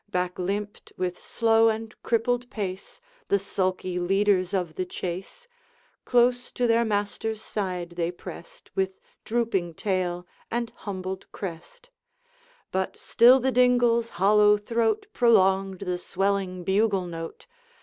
Back limped, with slow and crippled pace, The sulky leaders of the chase; Close to their master's side they pressed, With drooping tail and humbled crest; But still the dingle's hollow throat Prolonged the swelling bugle note.